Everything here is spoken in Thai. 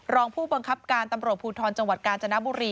รองผู้บังคับการตำรวจภูทรจกานจณภมุรี